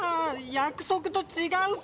やくそくとちがうポタ。